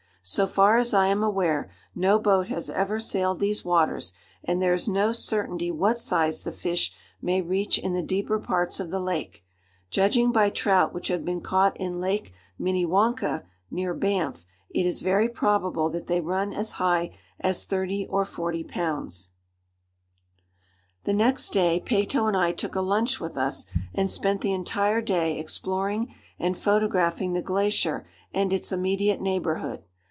So far as I am aware, no boat has ever sailed these waters, and there is no certainty what size the fish may reach in the deeper parts of the lake. Judging by trout which have been caught in Lake Minnewanka, near Banff, it is very probable that they run as high as thirty or forty pounds. [Illustration: CAMP AT UPPER BOW LAKE.] The next day, Peyto and I took a lunch with us and spent the entire day exploring and photographing the glacier and its immediate neighborhood.